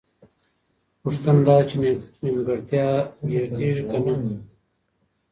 پوښتنه دا ده چې نیمګړتیا لېږدېږي که نه؟